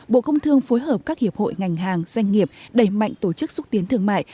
bộ công thương phối hợp các hiệp hội ngành hàng doanh nghiệp đẩy mạnh tổ chức xúc tiến thương mại